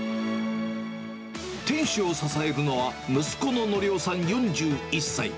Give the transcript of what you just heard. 店主を支えるのは息子ののりおさん４１歳。